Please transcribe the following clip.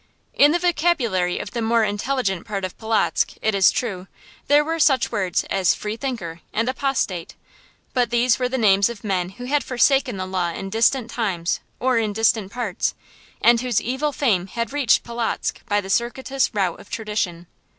In the vocabulary of the more intelligent part of Polotzk, it is true, there were such words as freethinker and apostate; but these were the names of men who had forsaken the Law in distant times or in distant parts, and whose evil fame had reached Polotzk by the circuitous route of tradition.